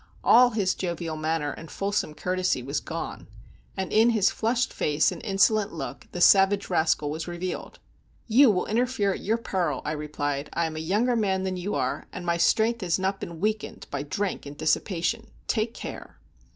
All his jovial manner and fulsome courtesy was gone; and in his flushed face and insolent look the savage rascal was revealed. "You will interfere at your peril," I replied. "I am a younger man than you are, and my strength has not been weakened by drink and dissipation. Take care."